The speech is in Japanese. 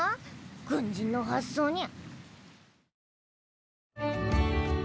軍人の発想ニャ。